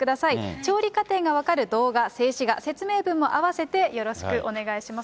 調理過程が分かる動画、静止画、説明文も併せてよろしくお願いします。